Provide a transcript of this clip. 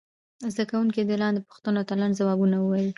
زده کوونکي دې لاندې پوښتنو ته لنډ ځوابونه ووایي.